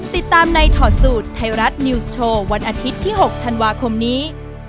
ติดตามในถอดสูตรไทยรัฐนิวส์โชว์วันอาทิตย์ที่๖ธันวาคมนี้